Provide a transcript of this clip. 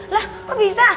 lah kok bisa